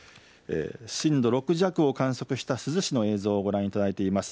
震度６弱を観測した珠洲市の映像をご覧いただいています。